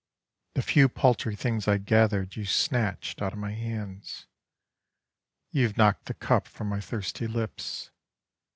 The few paltry things I gathered You snatched out of my hands. You have knocked the cup from my thirsty lips.